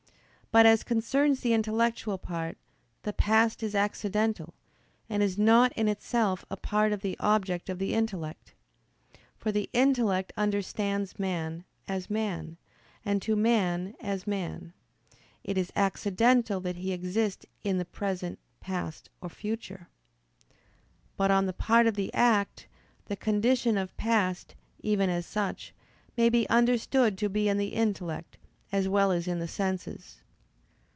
But as concerns the intellectual part, the past is accidental, and is not in itself a part of the object of the intellect. For the intellect understands man, as man: and to man, as man, it is accidental that he exist in the present, past, or future. But on the part of the act, the condition of past, even as such, may be understood to be in the intellect, as well as in the senses.